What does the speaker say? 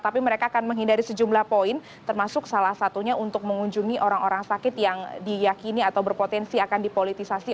tapi mereka akan menghindari sejumlah poin termasuk salah satunya untuk mengunjungi orang orang sakit yang diyakini atau berpotensi akan dipolitisasi